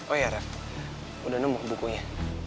oh iya rev udah nemu bukunya